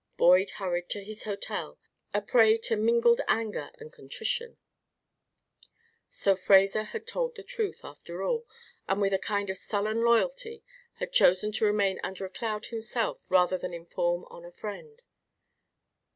Boyd hurried to his hotel, a prey to mingled anger and contrition. So Fraser had told the truth, after all, and with a kind of sullen loyalty had chosen to remain under a cloud himself rather than inform on a friend.